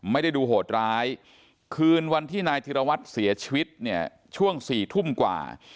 ไม่ได้ดูโหดร้ายคืนวันที่นายธิรวัตรเสียชีวิตเนี่ยช่วง๔ทุ่มกว่า